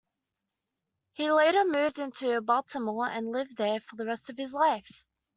He later moved to Baltimore and lived there for the rest of his life.